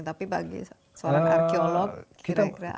tapi bagi seorang arkeolog kira kira ada percuma